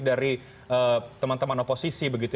dari teman teman oposisi